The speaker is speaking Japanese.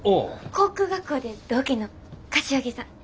航空学校で同期の柏木さん。